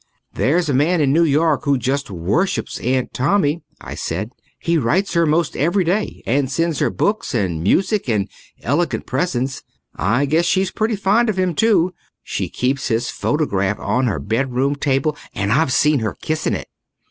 "There's a man in New York who just worships Aunt Tommy," I said. "He writes her most every day and sends her books and music and elegant presents. I guess she's pretty fond of him too. She keeps his photograph on her bedroom table and I've seen her kissing it."